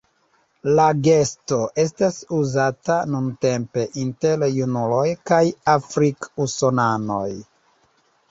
La gesto estas uzata nuntempe inter junuloj kaj afrik-usonanoj.